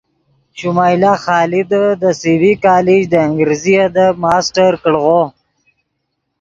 شمائلہ خادے دے سی بی کالج دے انگریزی ادب ماسٹر کڑغو